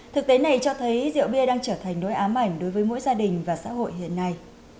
thực tế này cho thấy rượu bia đang trở thành nỗi ám ảnh đối với mỗi gia đình và xã hội hiện nay